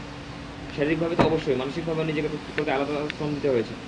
শারীরিকভাবে তো অবশ্যই, মানসিকভাবেও নিজেকে প্রস্তুত করতে আলাদা করে শ্রম দিতে হয়েছে।